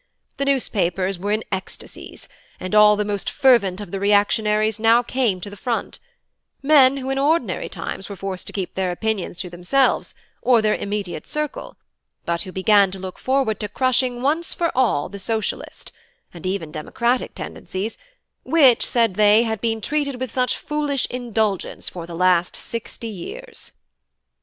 The newspapers were in ecstacies, and all the most fervent of the reactionaries now came to the front; men who in ordinary times were forced to keep their opinions to themselves or their immediate circle, but who began to look forward to crushing once for all the Socialist, and even democratic tendencies, which, said they, had been treated with such foolish indulgence for the last sixty years.